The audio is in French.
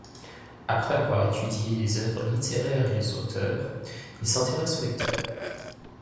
Après avoir étudié des œuvres littéraires et leurs auteurs, il s’intéresse aux lecteurs.